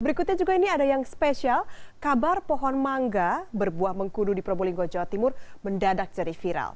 berikutnya juga ini ada yang spesial kabar pohon mangga berbuah mengkudu di probolinggo jawa timur mendadak jadi viral